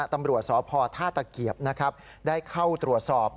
ตำรวจสอพธาตุเกียบได้เข้าตรวจสอบ